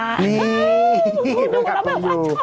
มาจากบุงดูไปกับบุงอยู่